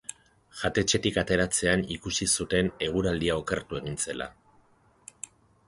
Jatetxetik ateratzean ikusi zuten eguraldia okertu egin zela.